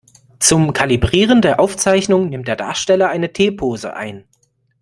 Zum Kalibrieren der Aufzeichnung nimmt der Darsteller eine T-Pose ein.